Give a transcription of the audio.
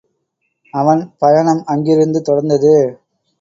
அவன் பயணம் அங்கிருந்து தொடர்ந்தது.